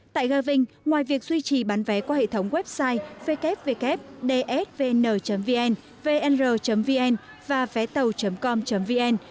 tại gà vinh ngoài việc duy trì bán vé qua hệ thống website www dsvn vn vnr vn và vétàu com vn